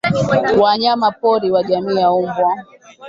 wanyamapori wa jamii ya mbwa